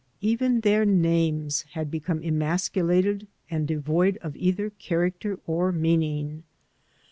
Even their names had become emasculated and devoid of either character or meaning.